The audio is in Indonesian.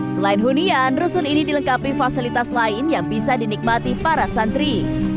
selain hunian rusun ini dilengkapi fasilitas lain yang bisa dinikmati para santri